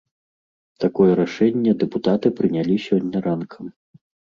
Такое рашэнне дэпутаты прынялі сёння ранкам.